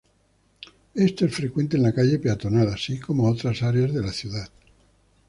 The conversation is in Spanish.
Esto es frecuente en la calle peatonal, así como otras áreas de la ciudad.